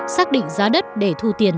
xác định giá đất để thu tiền